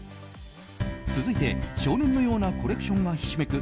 続いて、少年のようなコレクションがひしめく